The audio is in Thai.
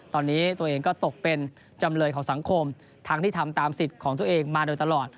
ตอนนี้ตัวเองก็ตกเป็นจำเลยของสังคมทั้งที่ทำตามสิทธิ์ของตัวเองมาโดยตลอด